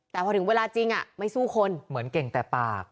แต่พอถึงเวลาจริงไม่สู้คนเหมือนเก่งแต่ปาก